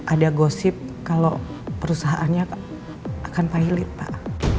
ada gosip kalau perusahaannya akan pilot pak